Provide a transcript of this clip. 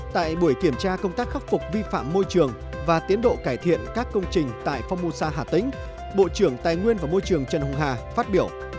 tại buổi kiểm tra công tác khắc phục vi phạm môi trường và tiến độ cải thiện các công trình tại phongmosa hà tĩnh bộ trưởng tài nguyên và môi trường trần hùng hà phát biểu